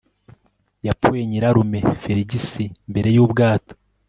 yapfuye, nyirarume feligisi, mbere y'ubwato